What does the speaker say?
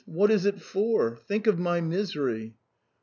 "What is it for? Think of my misery